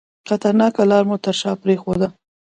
خطرناکه لار مو تر شاه پرېښوده.